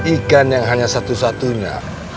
ikan yang hanya satu satunya